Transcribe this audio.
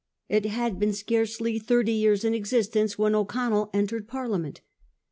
It had been scarcely thirty years in existence when O'Connell entered Parliament.